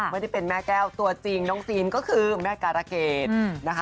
ไม่ได้เป็นแม่แก้วตัวจริงน้องซีนก็คือแม่การะเกดนะคะ